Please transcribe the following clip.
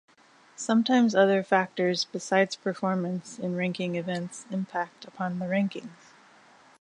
Sometimes other factors besides performance in ranking events impact upon the rankings.